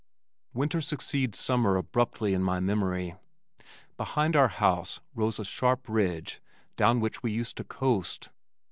Winter succeeds summer abruptly in my memory. Behind our house rose a sharp ridge down which we used to coast.